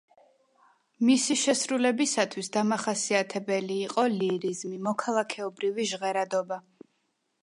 მისი შესრულებისათვის დამახასიათებელი იყო ლირიზმი, მოქალაქეობრივი ჟღერადობა.